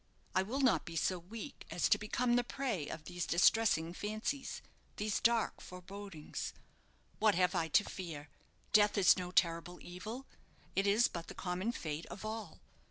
I will not be so weak as to become the prey of these distressing fancies, these dark forebodings. What have I to fear? Death is no terrible evil. It is but the common fate of all.